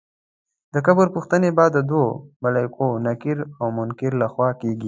د قبر پوښتنې به د دوو ملایکو نکیر او منکر له خوا کېږي.